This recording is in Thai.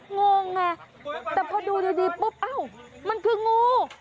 งงไงแต่พอดูดีปุ๊บอ้าวมันคืองู